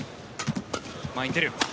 前に出る。